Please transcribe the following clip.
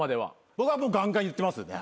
僕はもうガンガン言ってますね。